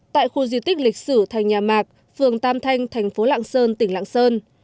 tại khu di tích lịch sử thành nhà mạc phường tam thanh thành phố lạng sơn tỉnh lạng sơn